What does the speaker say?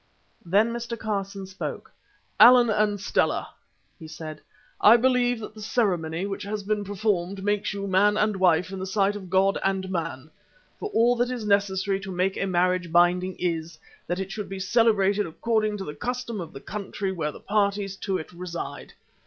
Then Mr. Carson spoke. "Allan and Stella," he said, "I believe that the ceremony which has been performed makes you man and wife in the sight of God and man, for all that is necessary to make a marriage binding is, that it should be celebrated according to the custom of the country where the parties to it reside.